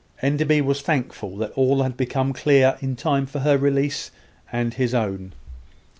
Enderby was thankful that all had become clear in time for her release and his own.